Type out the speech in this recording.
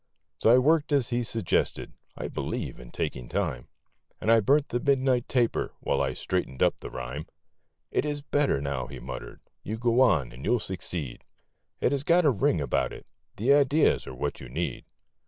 So I worked as he suggested (I believe in taking time), And I burnt the 'midnight taper' while I straightened up the rhyme. 'It is better now,' he muttered, 'you go on and you'll succeed, It has got a ring about it the ideas are what you need.